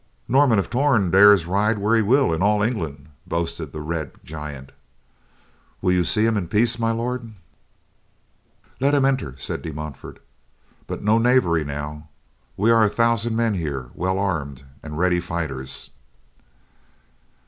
"Norman of Torn dares ride where he will in all England," boasted the red giant. "Will you see him in peace, My Lord?" "Let him enter," said De Montfort, "but no knavery, now, we are a thousand men here, well armed and ready fighters."